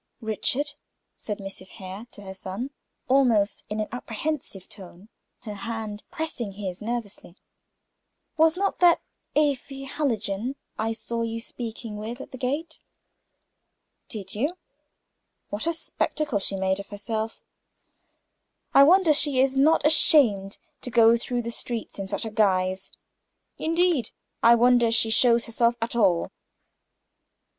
"Richard," said Mrs. Hare to her son, almost in an apprehensive tone, her hand pressing his nervously, "was not that Afy Hallijohn I saw you speaking with at the gate?" "Did you? What a spectacle she had made of herself! I wonder she is not ashamed to go through the streets in such a guise! Indeed, I wonder she shows herself at all."